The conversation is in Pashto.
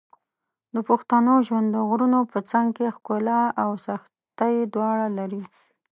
د پښتنو ژوند د غرونو په څنګ کې ښکلا او سختۍ دواړه لري.